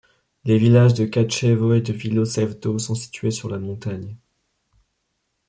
Les villages de Kaćevo et de Milošev Do sont situés sur la montagne.